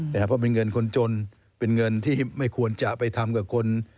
เพราะเป็นเงินคนจนเป็นเงินที่ไม่ควรจะไปทำกับคน